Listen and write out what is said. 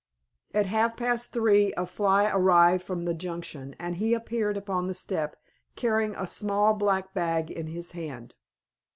At half past three a fly arrived from the Junction, and he appeared upon the step carrying a small black bag in his hand.